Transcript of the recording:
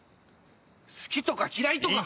好きとか嫌いとか。